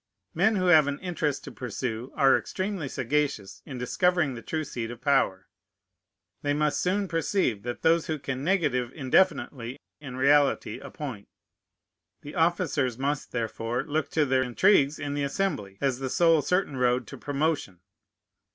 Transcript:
Men who have an interest to pursue are extremely sagacious in discovering the true seat of power. They must soon perceive that those who can negative indefinitely in reality appoint. The officers must therefore look to their intrigues in the Assembly as the sole certain road to promotion.